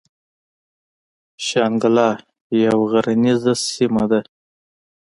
شانګله يوه غريزه سيمه ده ـ